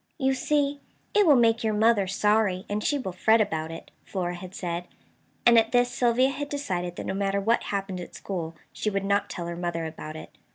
"You see, it will make your mother sorry, and she will fret about it," Flora had said; and at this Sylvia had decided that no matter what happened at school she would not tell her mother about it.